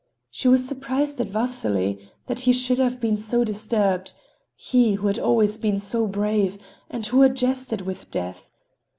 She was surprised at Vasily—that he should have been so disturbed—he, who had always been so brave, and who had jested with Death.